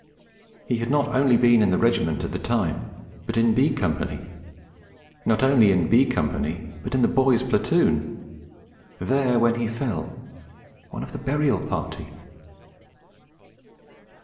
He had not only been in the Regiment at the time, but in B Company; not only in B Company, but in the boy's Platoon; there when he fell; one of the burial party!